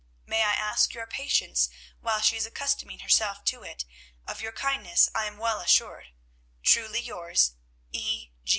May I ask your patience while she is accustoming herself to it; of your kindness I am well assured. Truly yours, E.